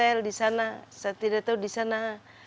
adalah si kapal yang membosankan